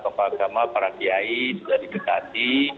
tokoh agama para kiai sudah didekati